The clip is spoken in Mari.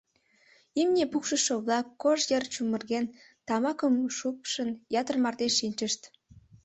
Имне пукшышо-влак, кож йыр чумырген, тамакым шупшын, ятыр марте шинчышт.